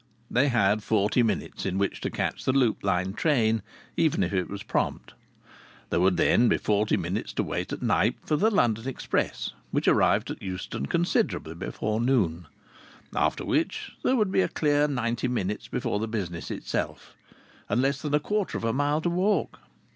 They had forty minutes in which to catch the Loop Line train, even if it was prompt. There would then be forty minutes to wait at Knype for the London express, which arrived at Euston considerably before noon. After which there would be a clear ninety minutes before the business itself and less than a quarter of a mile to walk!